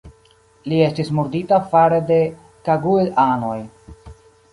Li estis murdita fare de Cagoule-anoj.